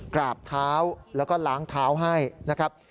กราบเท้าแล้วก็ล้างเท้าให้นะครับ